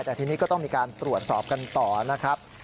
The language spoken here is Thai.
แต่ทีนี้ก็ต้องมีการตรวจสอบกันต่อนะครับ